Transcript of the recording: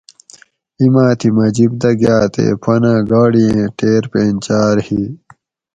اِیماٞ تھی مٞہ جیپ دہ گاٞ تے پنہ گاڑی ایں ٹیر پینچاٞر ہی